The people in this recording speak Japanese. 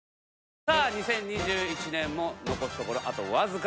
さあ２０２１年も残すところあとわずか。